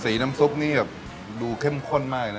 สีน้ำซุปนี้ดูเข้มข้นมากเลยนะ